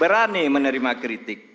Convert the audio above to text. berani menerima kritik